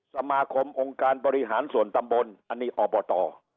สมาคมองค์การปริหารส่วนตำบลอต